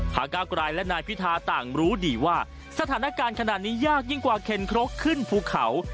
ก้าวกลายและนายพิธาต่างรู้ดีว่าสถานการณ์ขนาดนี้ยากยิ่งกว่าเข็นครกขึ้นภูเขา